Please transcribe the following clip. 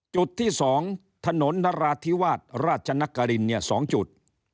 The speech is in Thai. จุดที่๒ถนนนราธิวาสราชนกริน๒จุด